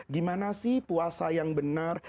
gimana sih puasa yang benar